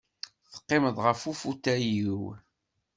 Teqqimeḍ ɣef ufutay-iw.